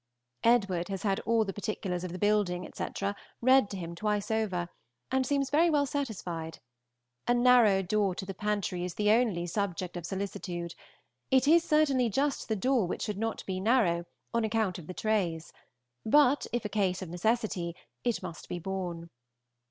Edward has had all the particulars of the building, etc., read to him twice over, and seems very well satisfied. A narrow door to the pantry is the only subject of solicitude; it is certainly just the door which should not be narrow, on account of the trays; but if a case of necessity, it must be borne.